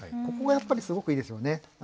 ここがやっぱりすごくいいですよね。